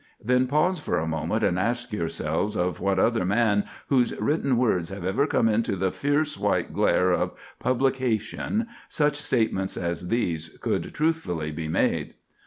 Then, pause for a moment and ask yourselves of what other man whose written words have ever come into the fierce white glare of publication such statements as these could truthfully be made?